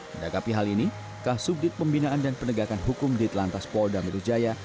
mendagapi hal ini kasudit pembinaan dan penegakan hukum ditlantas pol damirujaya